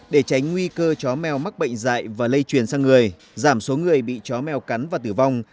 để tránh nguy cơ chó mèo mắc bệnh dạy và lây truyền sang người giảm số người bị chó mèo cắn và tử vong